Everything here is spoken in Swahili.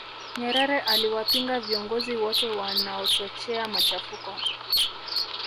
nyerere aliwapinga viongozi wote wanaochochea machafuko